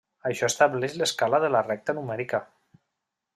Això estableix l'escala de la recta numèrica.